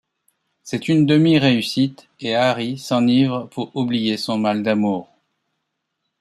C'est une demi-réussite et Harry s’enivre pour oublier son mal d'amour.